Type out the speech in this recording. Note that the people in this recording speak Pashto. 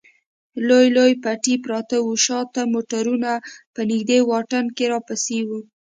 لوی لوی پټي پراته و، شا ته موټرونه په نږدې واټن کې راپسې و.